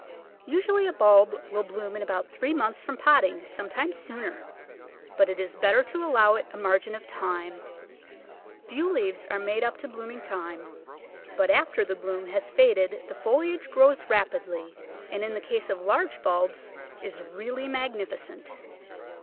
Usually a bulb will bloom in about three months from potting, sometimes sooner, but it is better to allow it a margin of time. Few leaves are made up to blooming time, but after the bloom has faded the foliage grows rapidly and, in the case of large bulbs, is really magnificent.